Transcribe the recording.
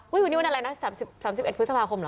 วันนี้วันอะไรนะสามสิบเอ็ดพฤษภาคมเหรอ